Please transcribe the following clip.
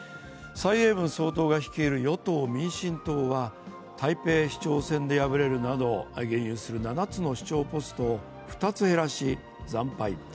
蔡英文総統が率いる与党・民進党は台北市長選で敗れるなど現有する７つの首長ポストを２つ減らし惨敗。